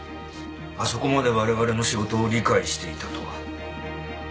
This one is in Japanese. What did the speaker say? あそこまで我々の仕事を理解していたとは。